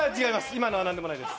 今のは何でもないです。